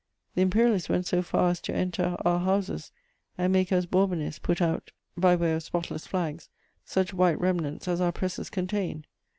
The Imperialists went so far as to enter our houses and make us Bourbonists put out, by way of spotless flags, such white remnants as our presses contained.